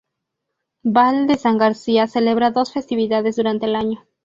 Val de San García celebra dos festividades durante el año.